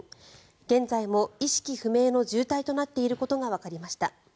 現在も意識不明の重体となっていることがわかりました。